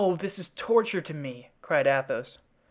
this is torture to me," cried Athos.